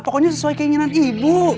pokoknya sesuai keinginan ibu